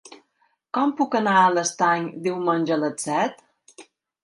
Com puc anar a l'Estany diumenge a les set?